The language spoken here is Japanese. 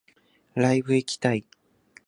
ライブ行きたい